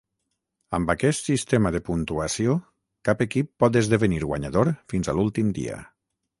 Amb aquest sistema de puntuació, cap equip pot esdevenir guanyador fins a l'últim dia.